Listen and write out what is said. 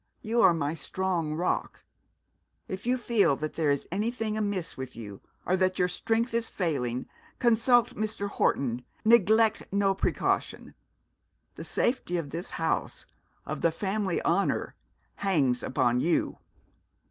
You are my strong rock. If you feel that there is anything amiss with you, or that your strength is failing, consult Mr. Horton neglect no precaution. The safety of this house, of the family honour, hangs upon you.'